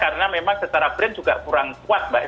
karena memang secara brand juga kurang kuat mbak